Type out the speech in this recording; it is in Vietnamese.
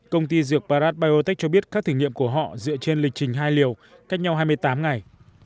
công ty dược bharat biotech cho biết các thử nghiệm của họ dựa trên lịch trình hai liều cách nhau hai mươi tám ngày